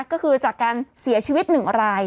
ก็คือจากการเสียชีวิต๑ราย